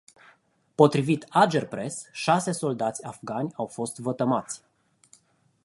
Potrivit Agerpres, șase soldați afgani au fost vătămați.